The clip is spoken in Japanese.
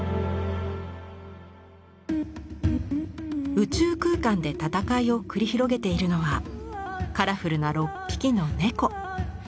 宇宙空間で戦いを繰り広げているのはカラフルな６匹の猫。